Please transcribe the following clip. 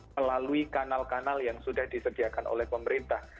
melalui kanal kanal yang sudah disediakan oleh pemerintah